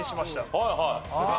はいはい。